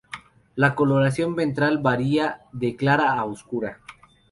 La coloración ventral varía de clara a oscura.